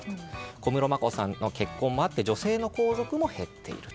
小室眞子さんの結婚もあって女性皇族も減っていると。